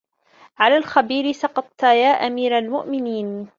عَلَى الْخَبِيرِ سَقَطْتَ يَا أَمِيرَ الْمُؤْمِنِينَ